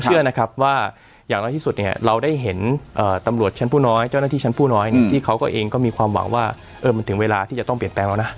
เออมันถึงเวลาที่จะต้องเปลี่ยนแปลงแล้วนะ